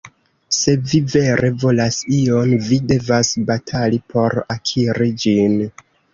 Se vi vere volas ion, vi devas batali por akiri ĝin.